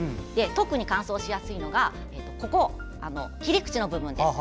特に乾燥しやすいのが切り口の部分です。